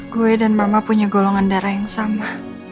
gue dan mama punya golongan darah yang sama